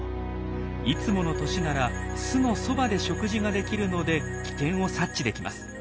いつもの年なら巣のそばで食事ができるので危険を察知できます。